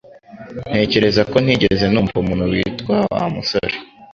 Ntekereza ko ntigeze numva umuntu witwa Wa musore